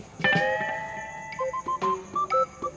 kode bahasa kelompok konspirasi global